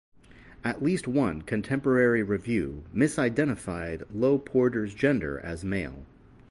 At least one contemporary review misidentified Lowe-Porter's gender as male.